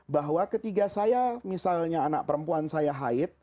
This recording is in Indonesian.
bahwa ketika saya misalnya anak perempuan saya haid